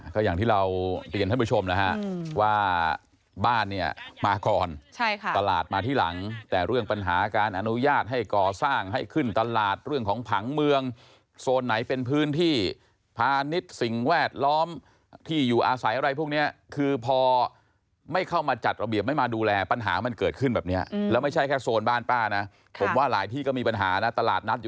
ก็อย่างที่เราเรียนท่านผู้ชมนะฮะว่าบ้านเนี่ยมาก่อนตลาดมาที่หลังแต่เรื่องปัญหาการอนุญาตให้ก่อสร้างให้ขึ้นตลาดเรื่องของผังเมืองโซนไหนเป็นพื้นที่พาณิชย์สิ่งแวดล้อมที่อยู่อาศัยอะไรพวกนี้คือพอไม่เข้ามาจัดระเบียบไม่มาดูแลปัญหามันเกิดขึ้นแบบนี้แล้วไม่ใช่แค่โซนบ้านป้านะผมว่าหลายที่ก็มีปัญหานะตลาดนัดอยู่